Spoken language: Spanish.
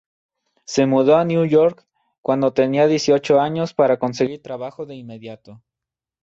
Se mudó a New York cuando tenía dieciocho años para conseguir trabajo de inmediato.